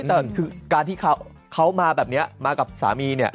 แต่คือการที่เขามาแบบนี้มากับสามีเนี่ย